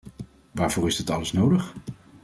Waarvoor is dit alles nodig?